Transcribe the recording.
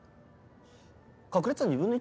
⁉確率は２分の１？